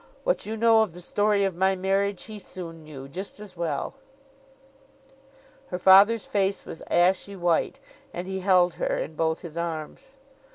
What you know of the story of my marriage, he soon knew, just as well.' Her father's face was ashy white, and he held her in both his arms.